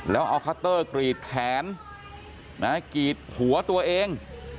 แล้วเอาคัตเตอร์กรีดแขนกรีดหัวตัวเอง